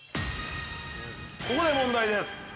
◆ここで問題です。